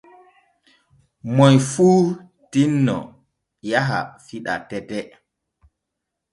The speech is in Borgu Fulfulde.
Moy fuu tinno yaha fiɗa tete.